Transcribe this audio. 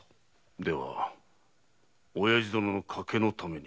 では親父殿の賭のために。